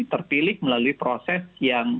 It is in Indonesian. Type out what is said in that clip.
terpilih melalui proses yang